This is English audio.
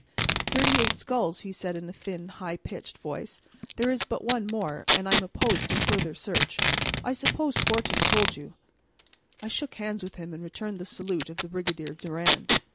"Thirty eight skulls," he said in his thin, high pitched voice; "there is but one more, and I am opposed to further search. I suppose Fortin told you?" I shook hands with him, and returned the salute of the Brigadier Durand.